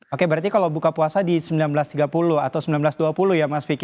oke berarti kalau buka puasa di seribu sembilan ratus tiga puluh atau seribu sembilan ratus dua puluh ya mas vicky